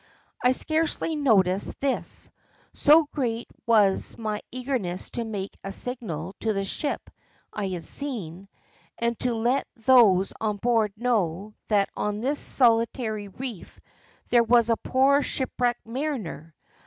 I scarcely noticed this, so great was my eagerness to make a signal to the ship I had seen, and to let those on board know that on this solitary reef there was a poor shipwrecked mariner.